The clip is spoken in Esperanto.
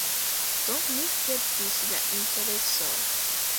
Do, mi perdis la intereson.